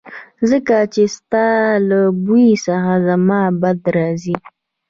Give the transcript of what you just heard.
ځکه چې ستا له بوی څخه زما بد راځي